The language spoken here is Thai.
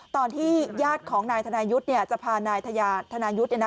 ตอนที่ญาติของนายธนายุฒร์เนี่ยจะพานายธยาธนายุฒร์เนี่ยนะ